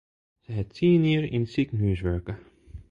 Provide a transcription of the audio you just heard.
Se hat tsien jier yn it sikehús wurke.